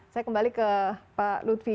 saya kembali ke pak lutfi